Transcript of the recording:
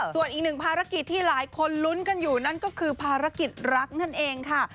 ส่วนอีกหนึ่งภารกิจที่หลายคนลุ้นกันอยู่ก็คือภารกิจรักษ์